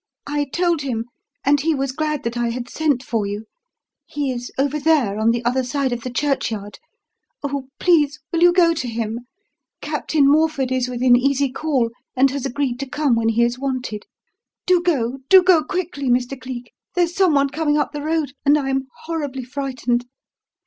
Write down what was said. I told him and he was glad that I had sent for you. He is over there, on the other side of the churchyard. Oh, please will you go to him? Captain Morford is within easy call and has agreed to come when he is wanted. Do go, do go quickly, Mr. Cleek. There's someone coming up the road and I am horribly frightened."